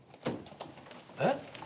えっ？